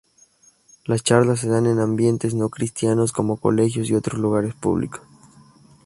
Las charlas se dan en ambientes no cristianos como colegios y otros lugares públicos.